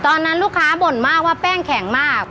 ตอนนั้นลูกค้าบ่นมากว่าแป้งแข็งมาก